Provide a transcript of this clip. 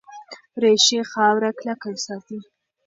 ریښې خاوره کلکه ساتي.